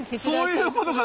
そういうことか。